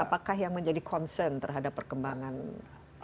apakah yang menjadi concern terhadap perkembangan teknologi